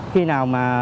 khi nào mà